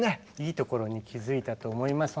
いいところに気づいたと思います。